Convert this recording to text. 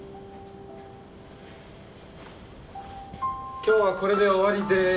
今日はこれで終わりでーす。